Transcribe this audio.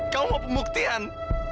kamu mau pemuktihan